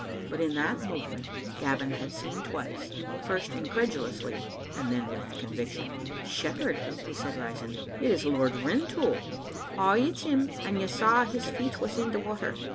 But in thai movement Gavin had seen twice, first incredulously, and then with conviction. "Shepherd," he said, rising, "it is Lord Rintoul." " Ay, it's him ; and you saw his feet was in the water.